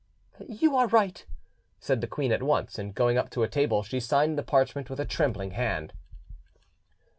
"You are right," said the queen at once; and going up to a table she signed the parchment with a trembling hand.